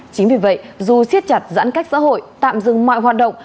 chính vì vậy dù siết chặt giãn cách xã hội tạm dừng mọi hoạt động